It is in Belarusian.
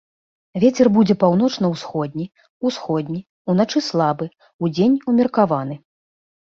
Вецер будзе паўночна-ўсходні, усходні, уначы слабы, удзень умеркаваны.